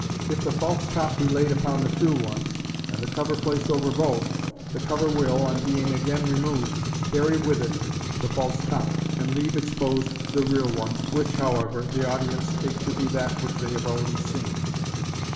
If the false top be laid upon the true one, and the cover placed over both, the cover will, on being again removed, carry with it the false top, and leave exposed the real one, which, however, the audi, ence take to be that which they have already seen.